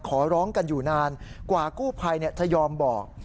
ขอร้องกันอยู่นานกว่ากู้ภัยจะยอมบอก